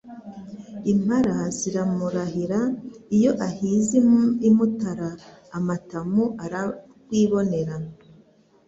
Impara ziramurahira, iyo ahize i Mutara amatamu ararwibonera,